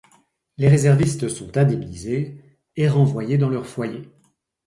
Les réservistes sont indemnisés et renvoyés dans leur foyers.